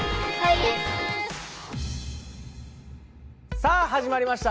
さあ始まりました。